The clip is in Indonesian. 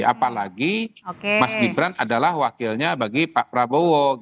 apalagi mas gibran adalah wakilnya bagi pak prabowo